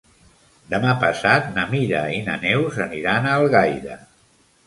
Demà passat na Mira i na Neus aniran a Algaida.